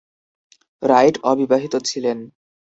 Right অবিবাহিত ছিলেন।